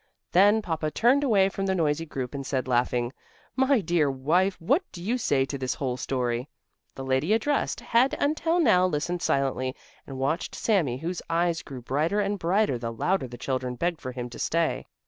Then Papa turned away from the noisy group and said, laughing: "My dear wife, what do you say to this whole story?" The lady addressed had until now listened silently and watched Sami, whose eyes grew brighter and brighter the louder the children begged for him to stay.